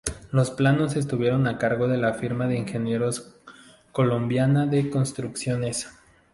Los planos estuvieron a cargo de la firma de ingenieros "Colombiana de Construcciones".